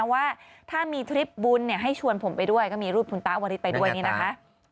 ว่าถ้ามีทริปบุญให้ชวนผมไปด้วยก็มีรูปคุณตาอวริสไปด้วยนี่นะคะ